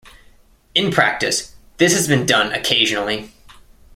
In practice this has been done occasionally.